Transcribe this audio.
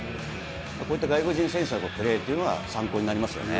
こういった外国人選手のプレーというのは参考になりますよね。